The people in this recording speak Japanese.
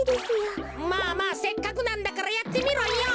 まあまあせっかくなんだからやってみろよ。